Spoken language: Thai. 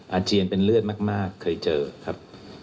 อาเจียนเป็นเลือดมากเคยเจอครับ